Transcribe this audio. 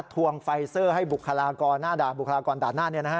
ทวงไฟเซอร์ให้บุคลากรหน้าด่าบุคลากรด่านหน้า